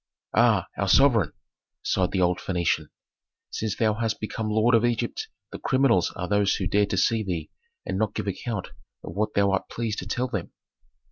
"Ah, our sovereign!" sighed the old Phœnician. "Since thou hast become lord of Egypt the criminals are those who dare to see thee and not give account of what thou art pleased to tell them."